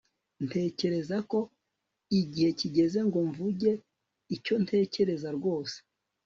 Ntekereza ko igihe kigeze ngo mvuge icyo ntekereza rwose